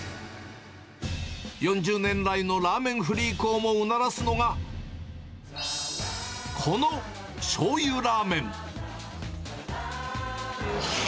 ４０年来のラーメンフリークをもうならすのが、このしょうゆラーメン。